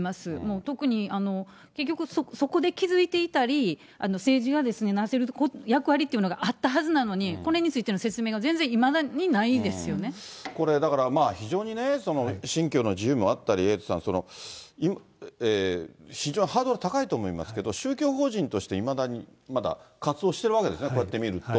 特に、結局、そこで気付いていたり、政治がなせる役割というのがあったはずなのに、これについての説これ、だからまあ、非常にね、信教の自由もあったり、エイトさん、非常にハードルは高いと思いますけど、宗教法人としていまだにまだ活動してるわけですよね、こうやって見ると。